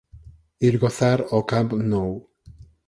Ir gozar ó Camp Nou